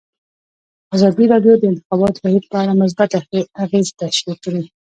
ازادي راډیو د د انتخاباتو بهیر په اړه مثبت اغېزې تشریح کړي.